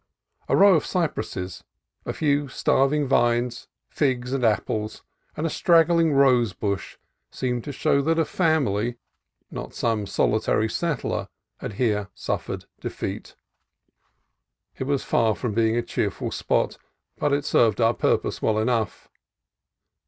A row of cypresses, a few starving vines, figs, and apples, and a straggling rose bush seemed to show that a family, and not some solitary settler, had here suffered defeat. It was far from being a cheer ful spot, but it served our purpose well enough.